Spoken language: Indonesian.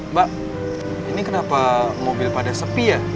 mbak ini kenapa mobil pada sepi ya